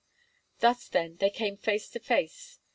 Thus, then, they came face to face.